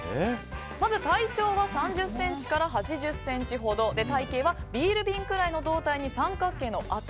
まず体長は３０ｃｍから８０ｃｍほどで体形はビール瓶くらいの胴体に三角形の頭。